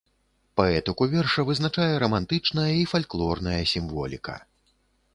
Паэтыку верша вызначае рамантычная і фальклорная сімволіка.